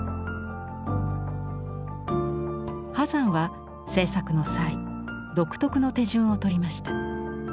波山は制作の際独特の手順をとりました。